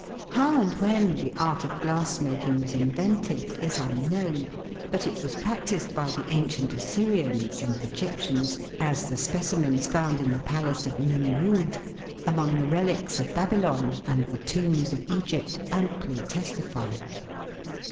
How and when the art of glass making was invented is unknown, but it was practised by the ancient Assyrians and Egyptians, as the specimens 1 10 THE WORLD'S LUMBER ROOM. found in the palace of Nimroud, among the relics of Baby lon, and the tombs of Egypt, amply testify.